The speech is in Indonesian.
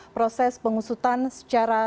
proses pengusutan secara